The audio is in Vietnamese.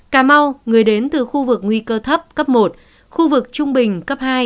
cà mau người đến từ khu vực nguy cơ thấp cấp một khu vực trung bình cấp hai